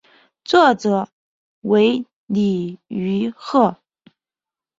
作者为李愚赫。